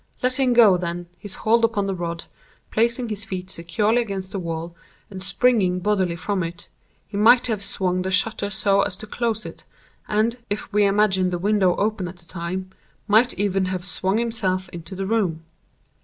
Letting go, then, his hold upon the rod, placing his feet securely against the wall, and springing boldly from it, he might have swung the shutter so as to close it, and, if we imagine the window open at the time, might even have swung himself into the room.